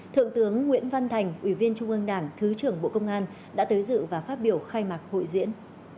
thượng tướng nguyễn văn thành ủy viên trung ương đảng thứ trưởng bộ công an đã tới dự và phát biểu khai mạc hội diễn